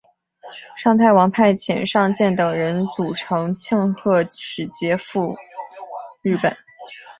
尚泰王派遣尚健等人组成庆贺使节团赴日本。